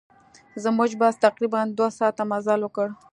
زموږ بس تقریباً دوه ساعته مزل وکړ.